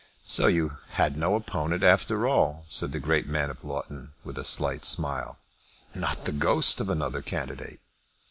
"So you had no opponent after all," said the great man of Loughton, with a slight smile. "Not the ghost of another candidate."